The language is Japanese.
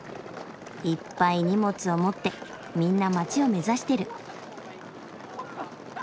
いっぱい荷物を持ってみんな街を目指してる。